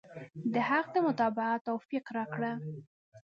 د حق د متابعت توفيق راکړه.